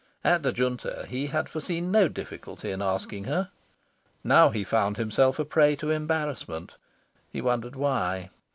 At the Junta, he had foreseen no difficulty in asking her. Now he found himself a prey to embarrassment. He wondered why.